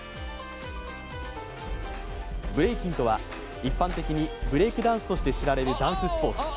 ブレイキンとは一般的にブレイクダンスとして知られるダンススポーツ。